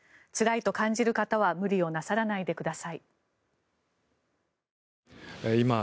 つらいと感じる方は無理をなさらないでください。